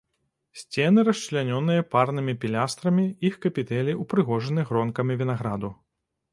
Сцены расчлянёныя парнымі пілястрамі, іх капітэлі ўпрыгожаны гронкамі вінаграду.